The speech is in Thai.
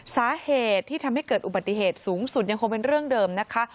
สาเหตุที่ทำให้เกิดอุบัติเหตุสูงสุดยังคงเป็นเรื่องเดิมนะคะ